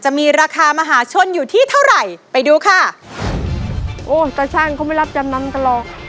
จะมีราคามหาชนอยู่ที่เท่าไหร่ไปดูค่ะโอ้ตาช่างเขาไม่รับจำนำกันหรอก